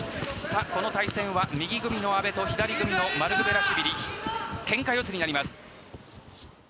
この対戦は右組みの阿部と左組みのマルクベラシュビリけんか四つになります。